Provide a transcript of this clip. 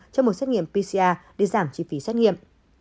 cho một xét nghiệm pcr để giảm chi phí xét nghiệm